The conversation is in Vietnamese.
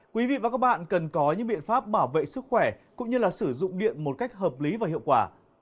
quý vị và các bạn cần có những biện pháp bảo vệ sức khỏe cũng như là sử dụng điện một cách hợp lý và hiệu quả